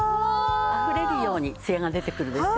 あふれるようにツヤが出てくるでしょ？